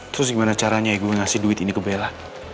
terus gimana caranya ibu ngasih duit ini ke bella